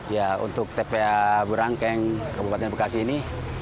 ya untuk tpa burangkeng kabupaten bekasi ini